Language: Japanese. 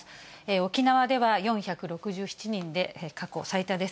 沖縄では４６７人で過去最多です。